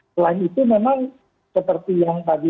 selain itu memang seperti yang tadi